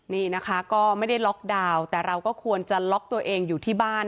นี่นะคะก็ไม่ได้ล็อกดาวน์แต่เราก็ควรจะล็อกตัวเองอยู่ที่บ้าน